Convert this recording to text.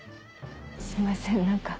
すいません何か。